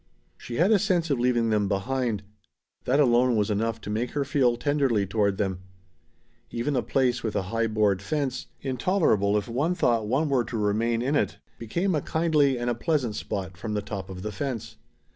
She had a sense of leaving them behind. That alone was enough to make her feel tenderly toward them. Even a place within a high board fence, intolerable if one thought one were to remain in it, became a kindly and a pleasant spot from the top of the fence.